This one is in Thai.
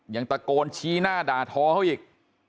ยังตะโกนชี้หน้าด่าทอเขาอีก